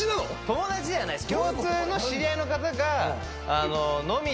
友達ではないです。